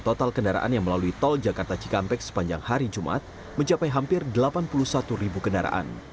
total kendaraan yang melalui tol jakarta cikampek sepanjang hari jumat mencapai hampir delapan puluh satu ribu kendaraan